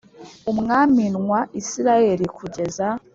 umwamin wa Isirayeli kugeza